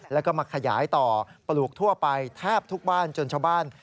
แล้วก็มาขยายต่อปลูกทั่วไปแทบทุกบ้านจนชาวบ้าน